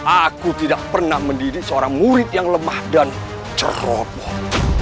aku tidak pernah mendidik seorang murid yang lemah dan cekropot